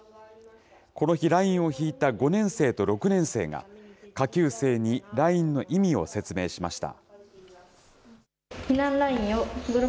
この日、ラインを引いた５年生と６年生が、下級生にラインの意味を説明しました。